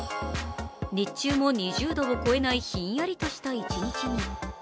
日中も２０度を超えないひんやりとした一日に。